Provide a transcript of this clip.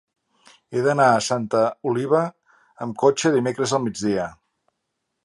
He d'anar a Santa Oliva amb cotxe dimecres al migdia.